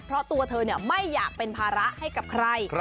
เพราะตัวเธอไม่อยากเป็นภาระให้กับใคร